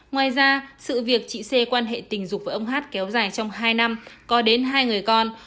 ngoài ra sự việc chị xê quan hệ tình dục với ông hát kéo dài trong hai năm có đến hai người con